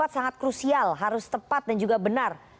dua ribu dua puluh empat sangat krusial harus tepat dan juga benar